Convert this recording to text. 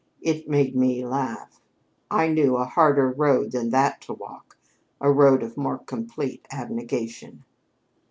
It made me laugh. I knew a harder road than that to walk a road of more complete abnegation."